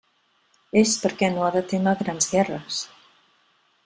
És perquè no ha de témer grans guerres.